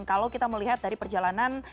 kalau kita melihat dari perjalanan